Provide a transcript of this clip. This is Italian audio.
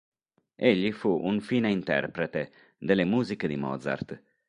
Egli fu un fine interprete delle musiche di Mozart.